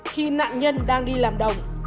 khi nạn nhân đang trở lại